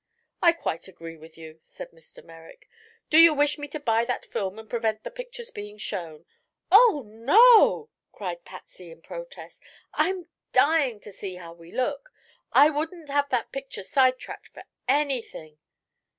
"I quite agree with you," said Mr. Merrick. "Do you wish me to buy that film and prevent the picture's being shown?" "Oh, no!" cried Patsy in protest. "I'm dying to see how we look. I wouldn't have that picture sidetracked for anything."